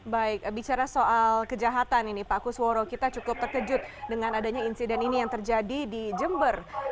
baik bicara soal kejahatan ini pak kusworo kita cukup terkejut dengan adanya insiden ini yang terjadi di jember